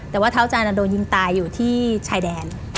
แต่ว่าเท้าจันทร์โดนยิงตายอยู่ที่ชายแดน